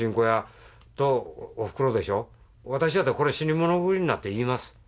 私やったらこれ死に物狂いになって言います。